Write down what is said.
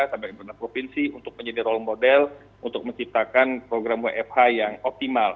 sampai pemerintah provinsi untuk menjadi role model untuk menciptakan program wfh yang optimal